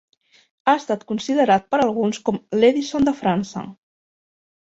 Ha estat considerat per alguns com "l'Edison de França".